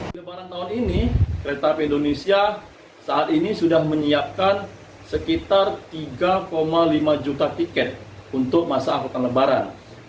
di lebaran tahun ini kereta api indonesia saat ini sudah menyiapkan sekitar tiga lima juta tiket untuk masa angkutan lebaran